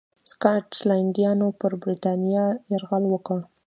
سکاټلنډیانو پر برېټانیا یرغل وکړ.